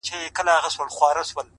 • په اور دي وسوځم، په اور مي مه سوځوه،